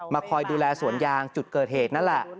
คอยดูแลสวนยางจุดเกิดเหตุนั่นแหละ